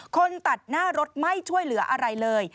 คนตัดหน้ารถไม่ช่วยเหลืออะไรเลย